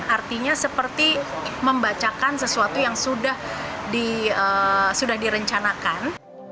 artinya seperti membacakan sesuatu yang sudah direncanakan